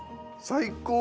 最高！